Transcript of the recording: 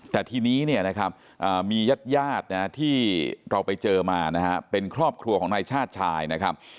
แต่ทีนี้มีญาติที่เราไปเจอมาเป็นครอบครัวของนายชาติชายนะครับ